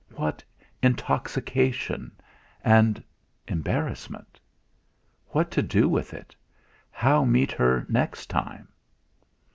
What intoxication, and embarrassment! What to do with it how meet her next time?